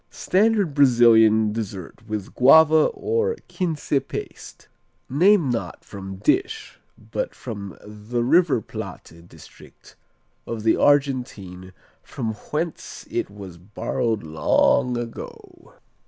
Standard Brazilian dessert with guava or quince paste. Named not from "dish" but the River Plate district of the Argentine from whence it was borrowed long ago.